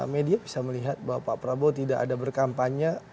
media bisa melihat bahwa pak prabowo tidak ada berkampanye